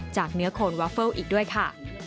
เนื้อโคนวาเฟิลอีกด้วยค่ะ